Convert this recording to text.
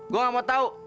gue gak mau tau